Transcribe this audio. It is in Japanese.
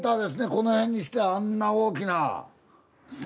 この辺にしてはあんな大きな。